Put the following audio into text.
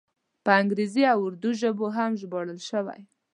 په انګریزي او اردو ژبو هم ژباړل شوی.